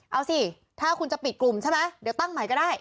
เอาสิถ้าคุณจะปิดกลุ่มใช่ไหมเดี๋ยวตั้งใหม่ก็ได้